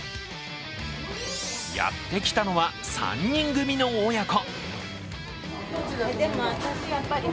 やってきたのは３人組の親子。